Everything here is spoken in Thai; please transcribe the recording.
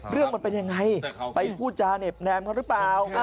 มันเป็นยังไงไปพูดจาเหน็บแนมเขาหรือเปล่า